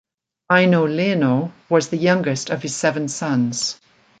Eino Leino was the youngest of his seven sons.